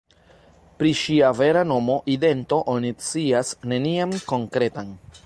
Pri ŝia vera nomo, idento oni scias nenian konkretan.